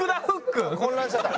混乱しちゃった。